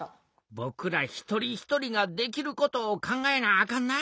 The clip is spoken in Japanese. ぼくら一人一人ができることを考えなあかんな。